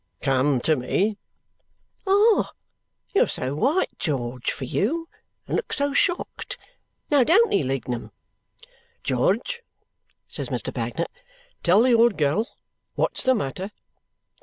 "Come to me?" "Ah! You are so white, George for you and look so shocked. Now don't he, Lignum?" "George," says Mr. Bagnet, "tell the old girl. What's the matter."